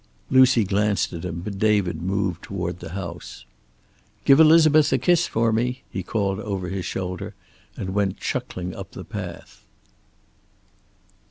Lucy glanced at him, but David moved toward the house. "Give Elizabeth a kiss for me," he called over his shoulder, and went chuckling up the path.